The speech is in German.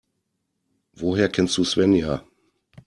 Woher kennst du Svenja?